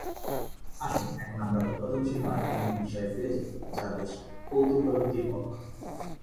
আসুন এখন আমরা উৎপাদনশীল নয় এমন বিষয়ে ফিরে যাই, যা বেশ কৌতূহলোদ্দীপক।